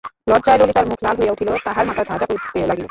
লজ্জায় ললিতার মুখ লাল হইয়া উঠিল, তাহার মাথা ঝাঁ ঝাঁ করিতে লাগিল।